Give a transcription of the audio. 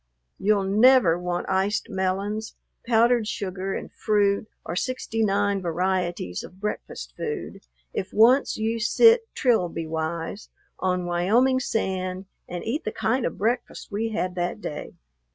You'll never want iced melons, powdered sugar, and fruit, or sixty nine varieties of breakfast food, if once you sit Trilby wise on Wyoming sand and eat the kind of breakfast we had that day.